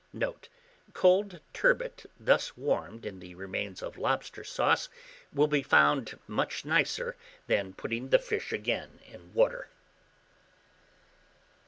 Note. Cold turbot thus warmed in the remains of lobster sauce will be found much nicer than putting the fish again in water.